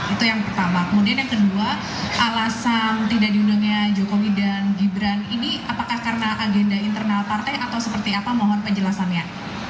itu yang pertama kemudian yang kedua alasan tidak diundangnya jokowi dan gibran ini apakah karena agenda internal partai atau seperti apa mohon penjelasannya